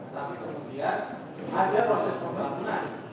tapi kemudian ada proses pembangunan